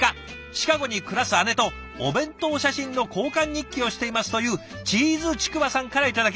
「シカゴに暮らす姉とお弁当写真の交換日記をしています」というチーズちくわさんから頂きました。